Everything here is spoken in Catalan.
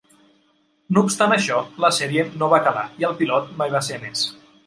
No obstant això, la sèrie no va calar i el pilot mai va ser emès.